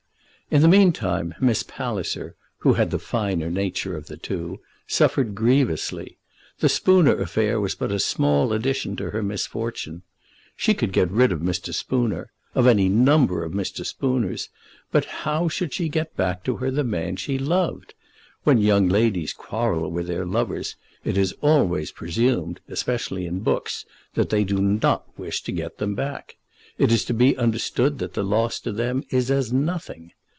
In the meantime Miss Palliser, who had the finer nature of the two, suffered grievously. The Spooner affair was but a small addition to her misfortune. She could get rid of Mr. Spooner, of any number of Mr. Spooners; but how should she get back to her the man she loved? When young ladies quarrel with their lovers it is always presumed, especially in books, that they do not wish to get them back. It is to be understood that the loss to them is as nothing.